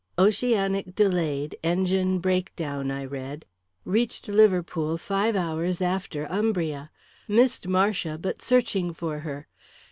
"Oceanic delayed engine break down," I read. "Reached Liverpool five hours after Umbria. Missed Marcia but searching for her.